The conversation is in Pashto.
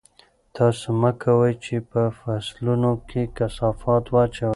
تاسو مه کوئ چې په فصلونو کې کثافات واچوئ.